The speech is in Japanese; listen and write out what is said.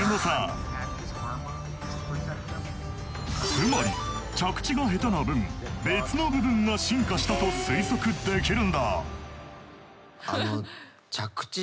つまり着地が下手な分別の部分が進化したと推測できるんだ。